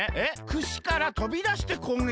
「くしからとびだしてこうげき。